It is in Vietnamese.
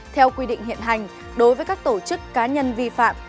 theo quy định hiện hành đối với các tổ chức cá nhân vi phạm